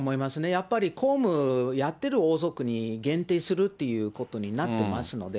やっぱり公務やってる王族に限定するっていうことになってますので。